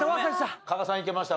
加賀さんいけました？